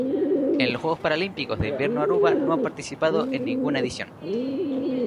En los Juegos Paralímpicos de Invierno Aruba no ha participado en ninguna edición.